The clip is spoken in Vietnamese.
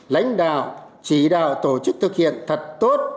lãnh đạo chỉ đạo tổ chức thực hiện thật tốt